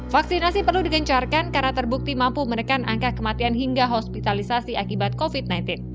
vaksinasi perlu digencarkan karena terbukti mampu menekan angka kematian hingga hospitalisasi akibat covid sembilan belas